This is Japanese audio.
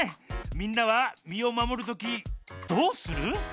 みんなはみをまもるときどうする？